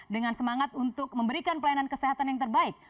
dengan semangat untuk memberikan pelayanan kesehatan yang terbaik